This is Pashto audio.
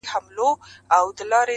په موسم کښې د بهار صفت د ګل شي